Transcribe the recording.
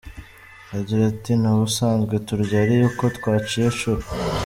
Agira ati “N’ubusanzwe turya ari uko twaciye inshuro.